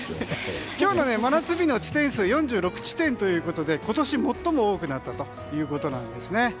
今日の真夏日の地点数は４６地点ということで、今年最も多くなったということです。